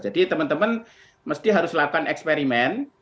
jadi teman teman mesti harus lakukan eksperimen